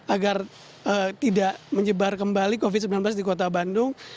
agar tidak menyebar kembali covid sembilan belas di kota bandung